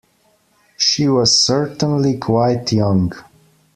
She was certainly quite young.